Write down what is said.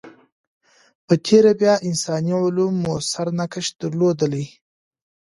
په تېره بیا انساني علوم موثر نقش درلودلی.